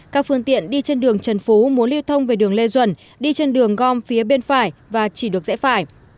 các phương tiện đi trên đường trần phú muốn lưu thông về đường lê duẩn đi trên đường gom phía bên phải và chỉ được rẽ phải